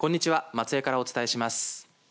松江からお伝えします。